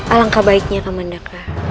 alangkah baiknya kamandaka